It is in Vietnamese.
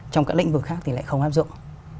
trong các lĩnh vực khác thì lại không áp dụng